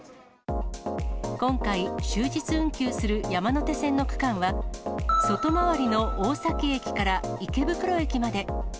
今回、終日運休する山手線の区間は、外回りの大崎駅から池袋駅まで。